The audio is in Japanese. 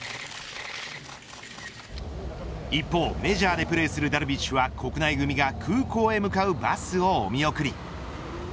一方、メジャーでプレーするダルビッシュは国内組が空港へ向かうバスをお見送り。